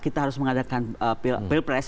kita harus mengadakan pilpres